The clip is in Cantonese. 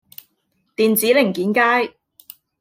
電子零件街